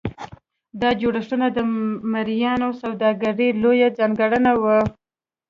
دا جوړښتونه د مریانو سوداګري لویه ځانګړنه وه.